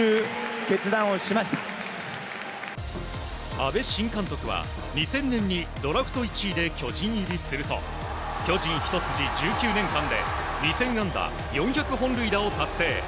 阿部新監督は２０００年にドラフト１位で巨人入りすると巨人ひと筋１９年間で２０００安打４００本塁打を達成。